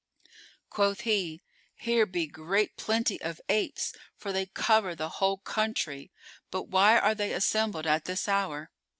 Quoth he, "Here be great plenty of apes, for they cover the whole country: but why are they assembled at this hour?"